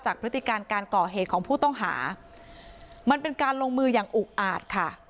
พฤติการการก่อเหตุของผู้ต้องหามันเป็นการลงมืออย่างอุกอาจค่ะ